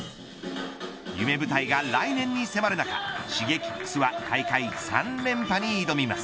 夢舞台が来年に迫るなかＳｈｉｇｅｋｉｘは大会３連覇に挑みます。